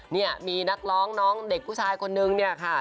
เนี่ยมีนักร้องน้องเด็กผู้ชายคนนึงเนี่ยค่ะ